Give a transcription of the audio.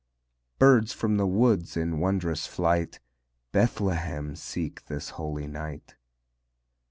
Birds from the woods in wondrous flight, Bethlehem seek this Holy Night.